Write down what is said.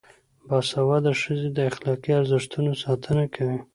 باسواده ښځې د اخلاقي ارزښتونو ساتنه کوي.